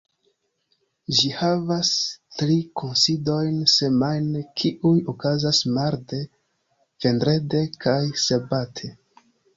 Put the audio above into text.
Ĝi havas tri kunsidojn semajne, kiuj okazas marde, vendrede kaj sabate.